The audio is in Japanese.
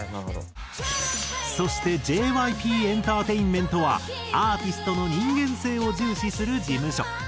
そしてＪＹＰエンターテインメントはアーティストの人間性を重視する事務所。